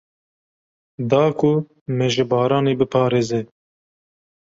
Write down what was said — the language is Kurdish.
Da ku me ji baranê biparêze.